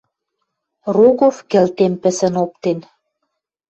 Рогов кӹлтем пӹсӹн оптен